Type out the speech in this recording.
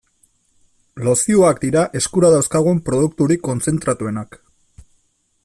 Lozioak dira eskura dauzkagun produkturik kontzentratuenak.